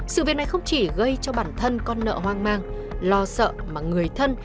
sự việc này không chỉ gây cho bản thân con nợ hoang mang lo sợ mà người thân